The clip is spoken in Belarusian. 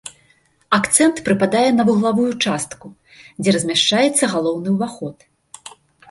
Акцэнт прыпадае на вуглавую частку, дзе размяшчаецца галоўны ўваход.